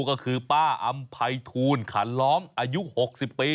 ก็คือป้าอำไพทูลขันล้อมอายุ๖๐ปี